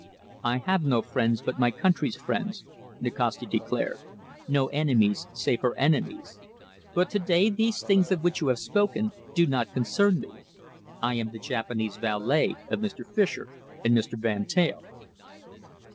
"I have no friends but my country's friends," Nikasti declared, "no enemies save her enemies. But to day those things of which you have spoken do not concern me. I am the Japanese valet of Mr. Fischer and Mr. Van Teyl."